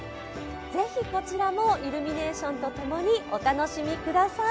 ぜひこちらもイルミネーションとともにお楽しみください。